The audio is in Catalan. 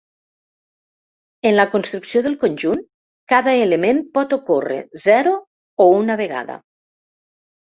En la construcció del conjunt, cada element pot ocórrer zero o una vegada.